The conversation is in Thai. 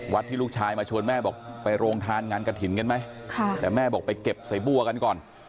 ที่ลูกชายมาชวนแม่บอกไปโรงทานงานกระถิ่นกันไหมแต่แม่บอกไปเก็บใส่บัวกันก่อน